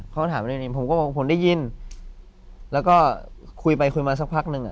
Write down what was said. เค้าก็ถามได้ยินผมก็ผมได้ยินแล้วก็คุยไปคุยมาสักพักนึง